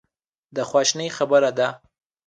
د خواشینۍ خبره ده.